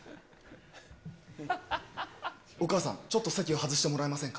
お母さん、ちょっと席を外してもらえませんか？